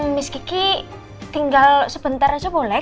mas kiki tinggal sebentar aja boleh